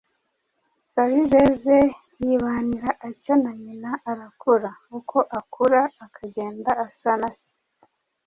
Sabizeze yibanira atyo na nyina arakura, uko akura akagenda asa na se,